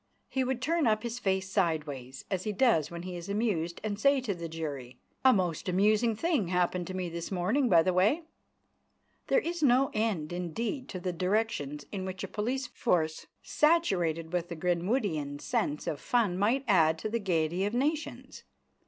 He would turn up his face sideways, as he does when he is amused, and say to the jury: "A most amusing thing happened to me this morning, by the way ..." There is no end, indeed, to the directions in which a police force saturated with the Greenwoodian sense of fun might add to the gaiety of nations.